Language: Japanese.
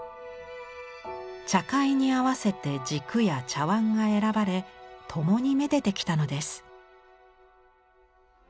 茶会に合わせて軸や茶碗が選ばれともに愛でてきたのです。